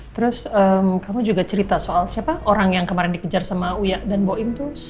terus kamu juga cerita soal siapa orang yang kemarin dikejar sama uya dan boin tuh